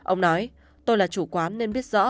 ông nói tôi là chủ quán nên biết rõ